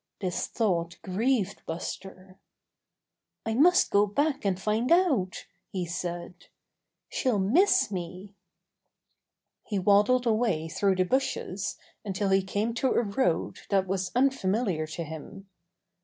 This thought grieved Buster. "I must go back and find out," he said. "She'll miss me." 95 96 Buster the Bear He waddled away through the bushes until he came to a road that was unfamiliar to him.